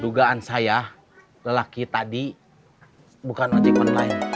dugaan saya lelaki tadi bukan ojikmen lain